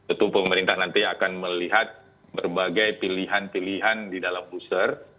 itu pemerintah nanti akan melihat berbagai pilihan pilihan di dalam booster